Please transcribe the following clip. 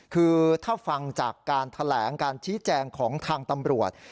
คือถ้าฟังจากการแถลงการชี้แจงของทางตำรวจ